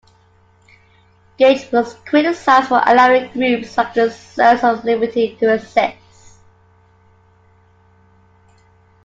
Gage was criticised for allowing groups like the Sons of Liberty to exist.